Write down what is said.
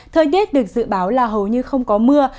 thời tiết được dự báo là hầu như không có mưa